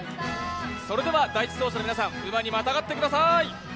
それでは第１走者の皆さん馬にまたがってください。